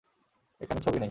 এখানে ছবি নেই।